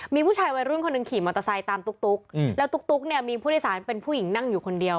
มีผู้ชายวัยรุ่นคนหนึ่งขี่มอเตอร์ไซค์ตามตุ๊กแล้วตุ๊กเนี่ยมีผู้โดยสารเป็นผู้หญิงนั่งอยู่คนเดียว